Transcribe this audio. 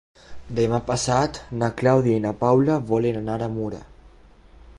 Demà passat na Clàudia i na Paula volen anar a Mura.